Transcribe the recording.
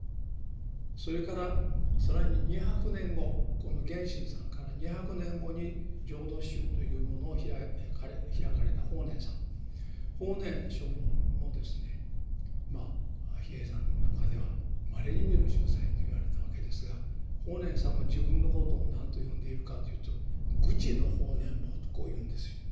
それから更に２００年後この源信さんから２００年後に浄土宗というものを開かれた法然さん法然上人もですね比叡山の中ではまれに見る秀才と言われたわけですが法然さんも自分のことを何と呼んでいるかというと愚癡の法然坊とこう言うんですよ。